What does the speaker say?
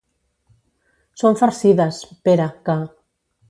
Són farcides, Pere que.